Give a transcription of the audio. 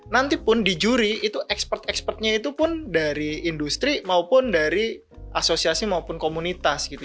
nanti pun di juri itu expert expertnya itu pun dari industri maupun dari asosiasi maupun komunitas gitu